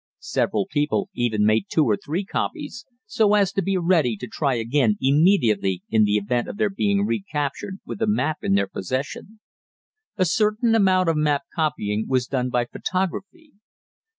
Several people even made two or three copies, so as to be ready to try again immediately in the event of their being recaptured with a map in their possession. A certain amount of map copying was done by photography.